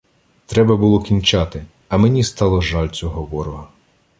Треба було кінчати, а мені стало жаль цього ворога.